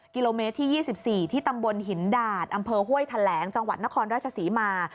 กิโลเมตรที่๒๔ที่ตำบลหินดาดอำเภอห้วยแถลงจังหวัดนครราชศรีมา